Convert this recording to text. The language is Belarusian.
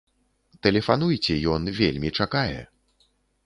Тэлефануйце, ён вельмі чакае!